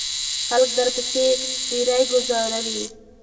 خلک درپسې ډیری گوزاروي.